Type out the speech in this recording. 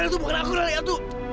rael itu bukan aku rael